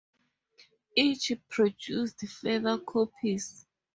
Each produced further copies.